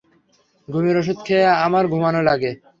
ঘুমের ওষুধ খেয়ে আমার ঘুমানো লাগে!